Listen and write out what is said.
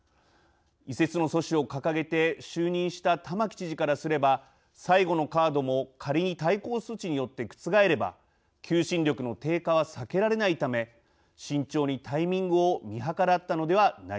移設の阻止を掲げて就任した玉城知事からすれば最後のカードも仮に対抗措置によって覆れば求心力の低下は避けられないため慎重にタイミングを見計らったのではないでしょうか。